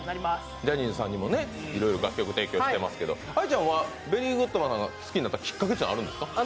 ジャニーズさんにも楽曲提供してますけど愛ちゃんはベリーグッドマンが好きになったきっかけはあるんですか？